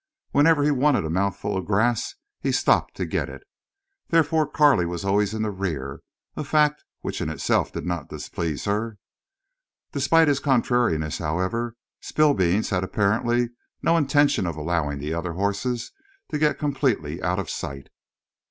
Whenever he wanted a mouthful of grass he stopped to get it. Therefore Carley was always in the rear, a fact which in itself did not displease her. Despite his contrariness, however, Spillbeans had apparently no intention of allowing the other horses to get completely out of sight.